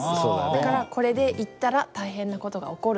だからこれで行ったら大変な事が起こる。